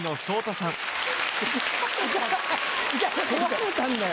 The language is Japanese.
壊れたんだよ。